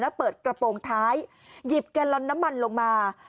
แล้วเปิดกระโปรงท้ายหยิบแกลลอนน้ำมันลงมา